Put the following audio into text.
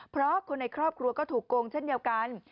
เพราะคนในครอบครัวก็ถูกโกงเช่นเดียวกัน